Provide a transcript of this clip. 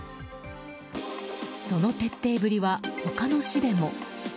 その徹底ぶりは他の市でも。